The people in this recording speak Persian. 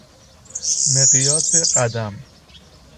مقیاس قدم